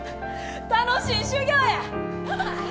楽しい修業や！